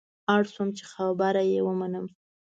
اړ شوم چې خبره یې ومنم.